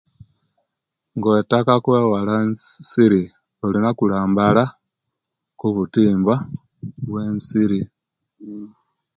Nga otaka okwewala ensiri olina okulambala okubutimba bwensiri